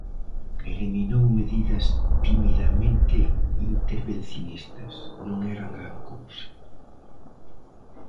Eliminou medidas timidamente intervencionistas, non eran gran cousa.